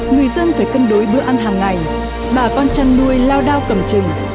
người dân phải cân đối bữa ăn hàng ngày bà con chăn nuôi lao đao cầm chừng